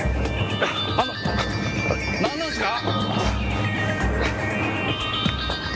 あの何なんですか！？